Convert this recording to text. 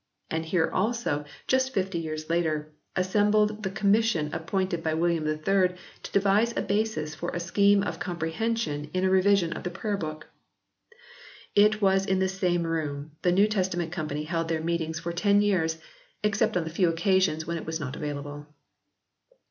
And here, also, just fifty years later, assembled the Com mission appointed by William III to devise a basis for a scheme of comprehension in a revision of the Prayer Book. It was in this same room the New Testament Company held their meetings for ten vii] THE REVISED VERSION OF 1881 127 years, except on the few occasions when it was not available.